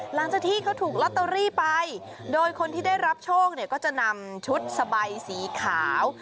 หลังจากที่เขาถูกลอตเตอรี่ไปโดยคนที่ได้รับโชคเนี่ยก็จะนำชุดสบายสีขาว